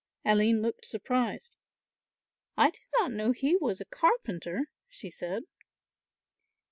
Aline looked surprised. "I did not know he was a carpenter," she said.